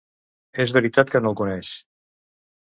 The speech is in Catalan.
És veritat que no el coneix.